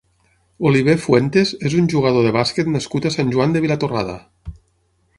Oliver Fuentes és un jugador de bàsquet nascut a Sant Joan de Vilatorrada.